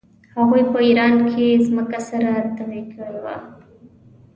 هغوی په ایران کې مځکه سره تبې کړې وه.